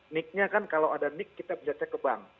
niknya kan kalau ada nik kita bisa cek ke bank